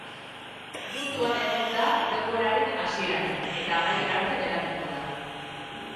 Munduan egon da denboraren hasieratik, eta amaiera arte geratuko da.